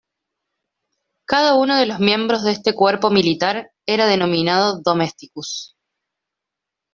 Cada uno de los miembros de este cuerpo militar era denominado domesticus.